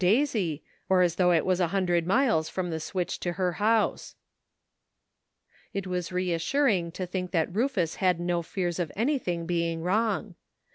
'' 59 Daisy, or as though it was a hundred miles from the switch to her house." It was reassuring to think that Rufus had no fears of anything being wrong.